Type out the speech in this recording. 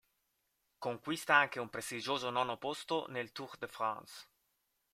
Conquista anche un prestigioso nono posto nel Tour de France.